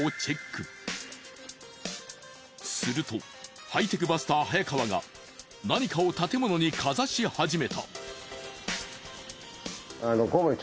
するとハイテクバスター早川が何かを建物にかざし始めた。